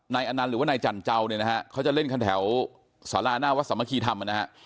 นายอันนั้นหรือว่านายจันเจ้าเนี้ยนะฮะเขาจะเล่นข้างแถวศาลาหน้าวัศมกีธรรมนะฮะ